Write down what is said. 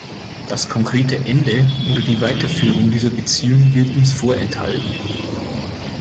Das konkrete Ende oder die Weiterführung dieser Beziehung wird uns vorenthalten.